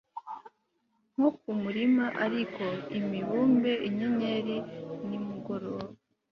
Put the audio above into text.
Nko kumurima ariko imibumbe inyenyeri nimugoroba